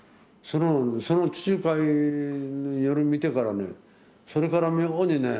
その地中海夜見てからねそれから妙にね